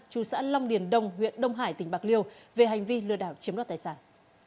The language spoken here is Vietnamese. chú xã long điền đông huyện đông hải tỉnh bạc liêu về hành vi lừa đảo chiếm đoạt tài sản